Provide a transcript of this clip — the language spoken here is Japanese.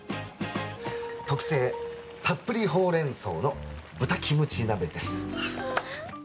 特製たっぷりほうれんそうの豚キムチ鍋です。